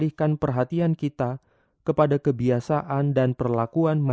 sampai jumpa di video selanjutnya